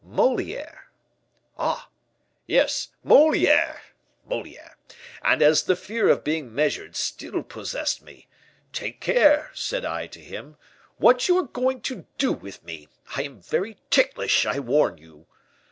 "Moliere!" "Ah! yes, Moliere Moliere. And as the fear of being measured still possessed me, 'Take care,' said I to him, 'what you are going to do with me; I am very ticklish, I warn you.